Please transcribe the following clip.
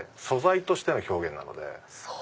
素材としての表現なので。